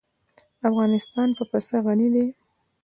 افغانستان په پسه غني دی.